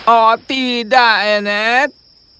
oh tidak anet